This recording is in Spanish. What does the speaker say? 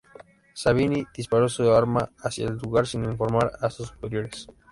Savini disparó su arma hacia el lugar sin informar a su superiores.